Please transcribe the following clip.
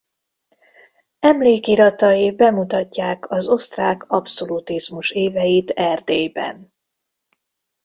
Emlékiratai bemutatják az osztrák abszolutizmus éveit Erdélyben.